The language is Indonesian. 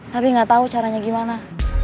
tapi nggak tahu caranya gimana